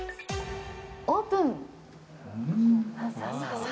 オープン！